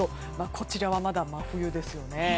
こちらはまだ真冬ですよね。